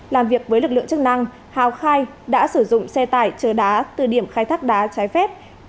làm việc với lực lượng chức năng hào khai đã sử dụng xe tải chở đá từ điểm khai thác đá trái phép